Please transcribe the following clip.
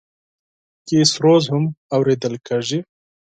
موټر کې میوزیک هم اورېدل کېږي.